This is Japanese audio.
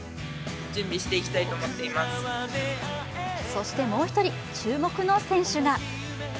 そしてもう一人、注目の選手が。